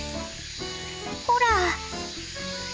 ほら！